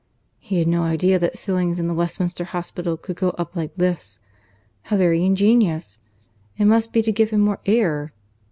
He had no idea that ceilings in the Westminster Hospital could go up like lifts. How very ingenious! It must be to give him more air.